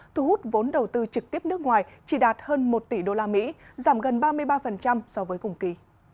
thu hút vốn đầu tư trực tiếp nước ngoài chỉ đạt hơn một tỷ usd giảm gần ba mươi ba so với cùng kỳ